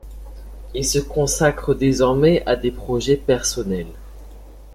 Il se consacre désormais à des projets personnels.